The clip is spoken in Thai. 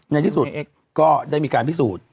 ในที่สุดก็ได้มีการพิสูจน์